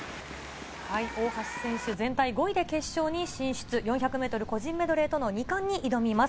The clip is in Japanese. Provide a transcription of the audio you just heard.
大橋選手、全体５位で決勝に進出、４００メートル個人メドレーとの２冠に挑みます。。